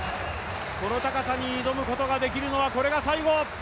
この高さに挑むことができるのはこれが最後。